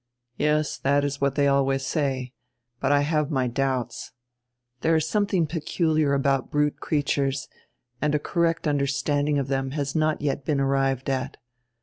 "Yes, that is what they always say, but I have my doubts. There is something peculiar about brute creatures and a correct understanding of them has not yet been arrived at.